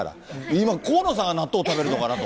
今、河野さんが納豆食べるのかなと。